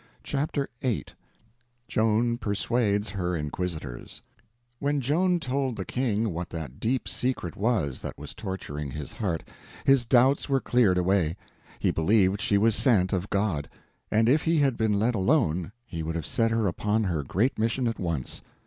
Chapter 8 Joan Persuades Her Inquisitors WHEN JOAN told the King what that deep secret was that was torturing his heart, his doubts were cleared away; he believed she was sent of God, and if he had been let alone he would have set her upon her great mission at once.